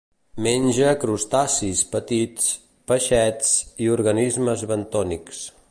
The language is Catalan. Menja crustacis petits, peixets i organismes bentònics.